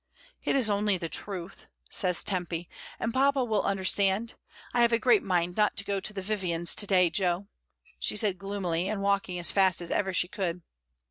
"It is only the truth,*' says Tempy, "and papa will understand. I have a great mind not to go to the Vivians to day, Jo," she said gloomily and walk ing as fast as ever she could.